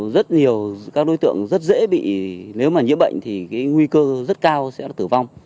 rất nhiều các đối tượng rất dễ bị nếu mà nhiễm bệnh thì cái nguy cơ rất cao sẽ là tử vong